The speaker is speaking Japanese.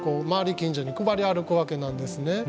近所に配り歩くわけなんですね。